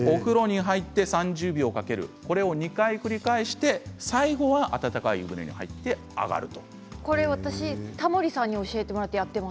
お風呂に入って３０秒かけるこれを２回繰り返して最後は温かい湯船に入って上がると。